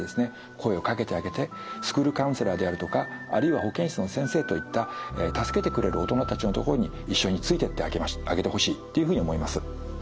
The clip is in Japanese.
声をかけてあげてスクールカウンセラーであるとかあるいは保健室の先生といった助けてくれる大人たちのところに一緒についていってあげてほしいっていうふうに思います。